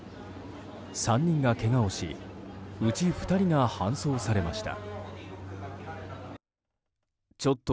３人がけがをしうち２人が搬送されました。